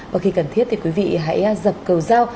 và khi cần thiết thì quý vị hãy dập cầu dao